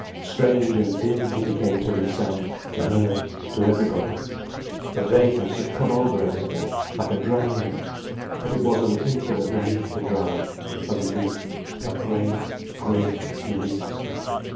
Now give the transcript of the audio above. Strange and dim he became to himself, to her, to everybody. A vagueness had come over everything, like a drowning. And it was an infinite relief to drown, a relief, a great, great relief.